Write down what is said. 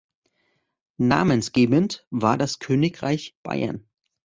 Namensgebend war das Königreich Bayern.